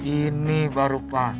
ini baru pas